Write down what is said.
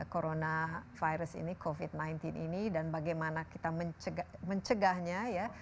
corona virus ini covid sembilan belas ini dan bagaimana kita mencegahnya ya